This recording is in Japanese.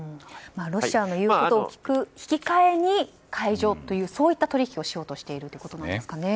ロシアの言うことを聞く引き換えに解除という取引をしようとしているということなんですね。